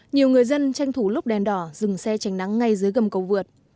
nhiều người dân tranh thủ lúc đèn đỏ dừng xe tránh nắng ngay dưới gầm cầu vượt